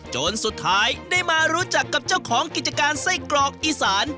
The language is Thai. จนสุดท้ายได้มารู้จักกับเจ้าของกิจการไส้กรอกอีสาน